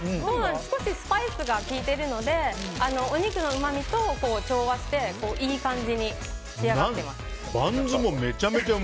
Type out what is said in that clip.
少しスパイスが効いてるのでお肉のうまみと調和していい感じに仕上がっています。